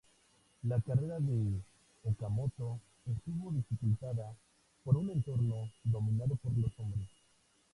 La carrera de Okamoto estuvo dificultada por un entorno dominado por los hombres.